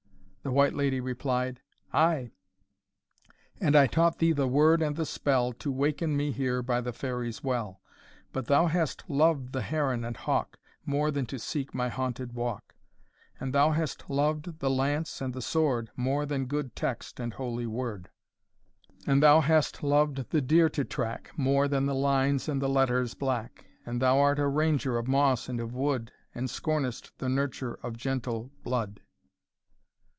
The White Lady replied, "Ay! and I taught thee the word and the spell, To waken me here by the Fairies' Well, But thou hast loved the heron and hawk, More than to seek my haunted walk; And thou hast loved the lance and the sword, More than good text and holy word; And thou hast loved the deer to track, More than the lines and the letters black; And thou art a ranger of moss and of wood, And scornest the nurture of gentle blood."